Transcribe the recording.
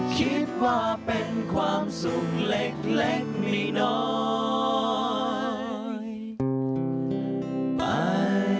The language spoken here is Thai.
คิดว่าเป็นความสุขเล็กน้อยไป